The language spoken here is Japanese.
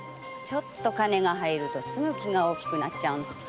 ちょっと金が入るとすぐ気が大きくなっちゃう。